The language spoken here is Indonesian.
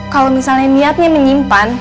kalau misalnya niatnya menyimpan